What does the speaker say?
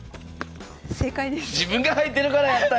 正解です。